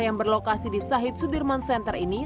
yang berlokasi di sahit sudirman center ini